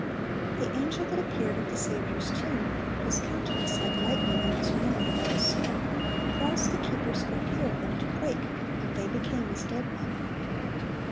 The angel that appeared at the Saviour's tomb, his countenance "like lightning, and his raiment white as snow," caused the keepers for fear of him to quake, and they "became as dead men."